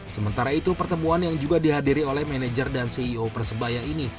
sementara itu pertemuan yang juga dihadiri oleh manajer dan ceo persebaya ini